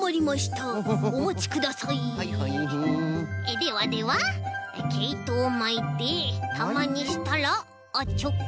ではではけいとをまいてたまにしたらあっチョッキン！